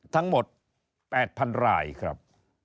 ทั้งหมด๘๐๐๐รายครับ